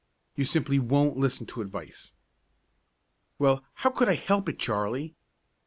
"You simply won't listen to advice." "Well, how could I help it, Charley?"